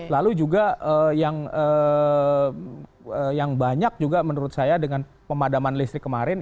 lalu juga yang banyak juga menurut saya dengan pemadaman listrik kemarin